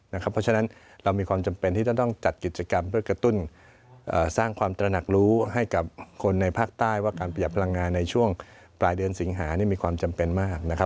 เพราะฉะนั้นเรามีความจำเป็นที่จะต้องจัดกิจกรรมเพื่อกระตุ้นสร้างความตระหนักรู้ให้กับคนในภาคใต้ว่าการประหยัดพลังงานในช่วงปลายเดือนสิงหามีความจำเป็นมากนะครับ